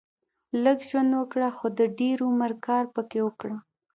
لږ ژوند وګړهٔ خو د دېر عمر کار پکښي وکړهٔ